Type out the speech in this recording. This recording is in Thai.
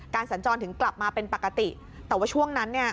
สัญจรถึงกลับมาเป็นปกติแต่ว่าช่วงนั้นเนี่ย